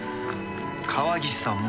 川岸さんも。